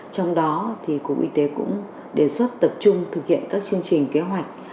trong đó thì cục y tế cũng đề xuất tập trung thực hiện các chương trình kế hoạch